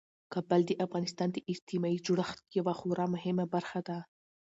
کابل د افغانستان د اجتماعي جوړښت یوه خورا مهمه برخه ده.